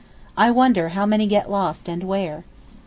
I wonder how many get lost and where?